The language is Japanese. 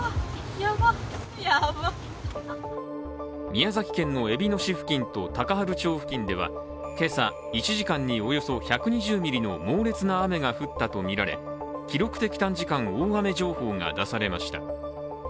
宮崎県のえびの市と高原町付近では、今朝１時間におよそ１２０ミリの猛烈な雨が降ったとみられ記録的短時間大雨情報が出されました。